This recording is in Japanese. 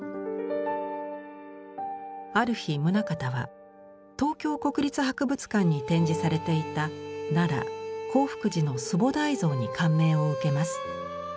ある日棟方は東京国立博物館に展示されていた奈良興福寺の須菩提像に感銘を受けます。